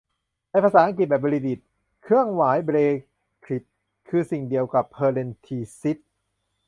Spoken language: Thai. ในภาษาอังกฤษแบบบริติช เครื่องหมาย แบรคิท คือสิ่งเดียวกับเพอะเร็นธิซิซ